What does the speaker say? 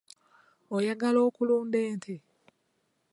Oyagala okulunda ente?